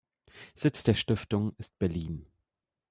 Sitz der Stiftung ist Berlin.